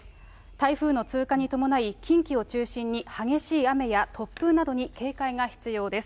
台風の通過に伴い、近畿を中心に、激しい雨や突風などに警戒が必要です。